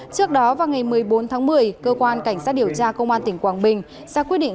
trước đó vào ngày một mươi bốn tháng một mươi cơ quan cảnh sát điều tra công an tỉnh quảng bình ra quyết định